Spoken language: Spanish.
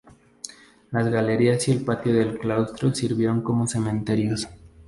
Las galerías y el patio del claustro sirvieron como cementerios.